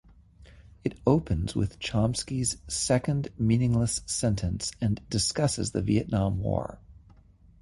It opens with Chomsky's second meaningless sentence and discusses the Vietnam War.